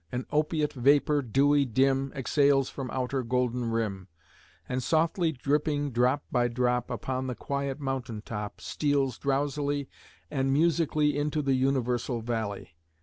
An opiate vapor, dewy, dim, Exhales from out her golden rim, And, softly dripping, drop by drop, Upon the quiet mountain top, Steals drowsily and musically Into the universal valley.